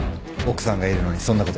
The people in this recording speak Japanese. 奥さんがいるのにそんなこと。